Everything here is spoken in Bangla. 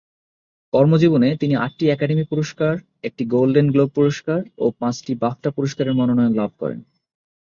কর্মজীবনে তিনি আটটি একাডেমি পুরস্কার, একটি গোল্ডেন গ্লোব পুরস্কার ও পাঁচটি বাফটা পুরস্কারের মনোনয়ন লাভ করেন।